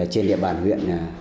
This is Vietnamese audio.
trên địa bàn huyện